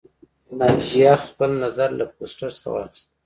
ناجیه خپل نظر له پوسټر څخه واخیست